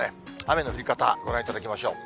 雨の降り方、ご覧いただきましょう。